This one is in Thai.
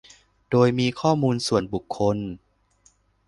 โดยมีข้อมูลส่วนบุคคล